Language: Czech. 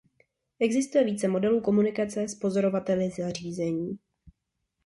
Existuje více modelů komunikace s pozorovateli zařízení.